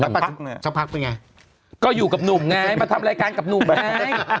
สักพักเป็นไงก็อยู่กับหนุ่มไงมาทำรายการกับหนุ่มอ่ะ